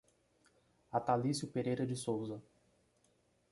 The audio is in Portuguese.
Atalicio Pereira de Sousa